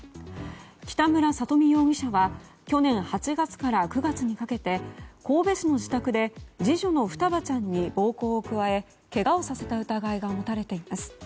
北村里美容疑者は去年８月から９月にかけて神戸市の自宅で次女の双葉ちゃんに暴行を加えけがをさせた疑いが持たれています。